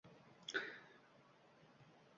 Shu odamni deb qon to‘kkanman, kantujin bo‘lganman.